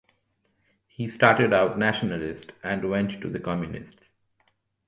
He started out nationalist and went to the communists.